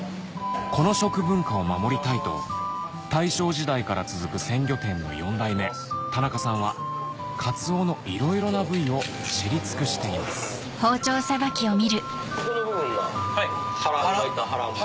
この食文化を守りたいと大正時代から続く鮮魚店の４代目田中さんはカツオのいろいろな部位を知り尽くしていますハランボ！